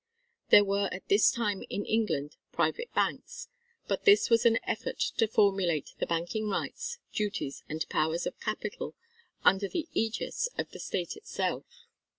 There were at this time in England private banks; but this was an effort to formulate the banking rights, duties, and powers of capital under the ægis of the State itself.